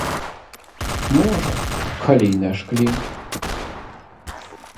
Можа, калі й нашклім.